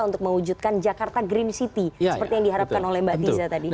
untuk mewujudkan jakarta green city seperti yang diharapkan oleh mbak tiza tadi